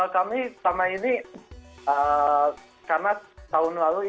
kami selama ini karena tahun lalu